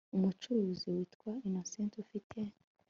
umucuruzi witwa Innocent ufite